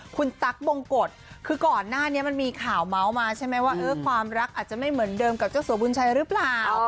คุณตั๊กบงกฎคือก่อนหน้านี้มันมีข่าวเมาส์มาใช่ไหมว่าความรักอาจจะไม่เหมือนเดิมกับเจ้าสัวบุญชัยหรือเปล่า